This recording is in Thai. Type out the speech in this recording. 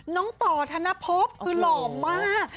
น้องต่อธนภพคือหล่อมาก